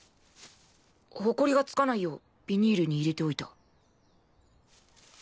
ホコリがつかないようビニールに入れておいた。